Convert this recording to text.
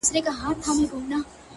چي د خندا خبري پټي ساتي ـ